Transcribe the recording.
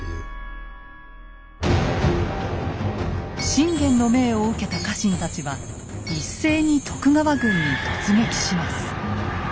信玄の命を受けた家臣たちは一斉に徳川軍に突撃します。